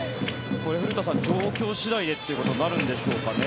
これ、古田さん状況次第でということになるんでしょうかね。